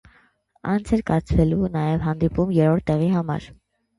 Անց էր կացվելու նաև հանդիպում երրորդ տեղի համար։